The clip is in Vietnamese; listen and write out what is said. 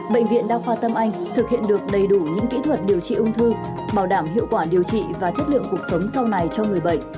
bệnh viện đa khoa tâm anh thực hiện được đầy đủ những kỹ thuật điều trị ung thư bảo đảm hiệu quả điều trị và chất lượng cuộc sống sau này cho người bệnh